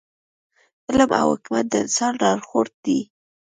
علم او حکمت د انسان لارښود دی.